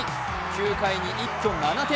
９回に一挙７点。